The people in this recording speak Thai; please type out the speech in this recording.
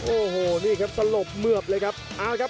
โอ้โหนี่ครับสลบเหมือบเลยครับ